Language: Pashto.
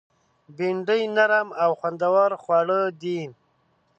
بېنډۍ نرم او خوندور خواړه دي